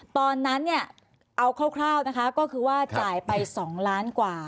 ตอนนั้นเนี่ยเอาคร่าวนะคะก็คือว่าจ่ายไป๒ล้านกว่า